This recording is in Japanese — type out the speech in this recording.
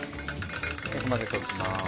よく混ぜておきます。